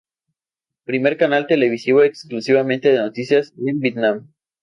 Primer canal televisivo exclusivamente de noticias en Vietnam.